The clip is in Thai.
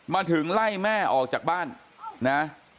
มาถึงไล่แม่ออกจากบ้านนะ